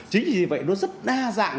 chính vì vậy nó rất đa dạng